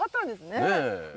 ねえ。